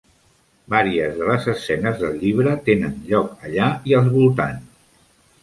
Vàries de les escenes del llibre tenen lloc allà i als voltans.